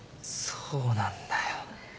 そうなんだよ。